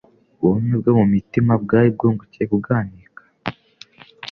Ubumwe bwo mu mitima bwari bwongcye kuganika,